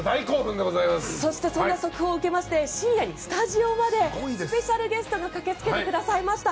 そして、そんな速報を受けまして深夜にスタジオまでスペシャルゲストが駆けつけてくださいました。